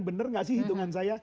bener gak sih hitungan saya